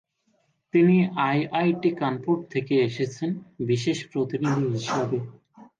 তিনি আইআইটি কানপুর থেকে এসেছেন বিশেষ প্রতিনিধি হিসাবে।